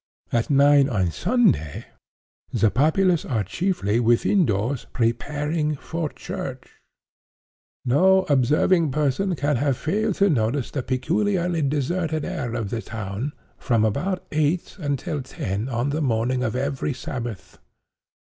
At nine on Sunday, the populace are chiefly within doors preparing for church. No observing person can have failed to notice the peculiarly deserted air of the town, from about eight until ten on the morning of every Sabbath.